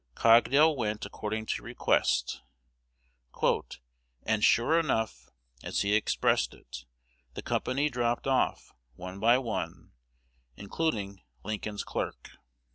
Cogdale went according to request; "and sure enough," as he expressed it, "the company dropped off one by one, including Lincoln's clerk."